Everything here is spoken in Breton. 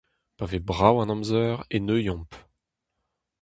Pa vez brav an amzer e neuiomp.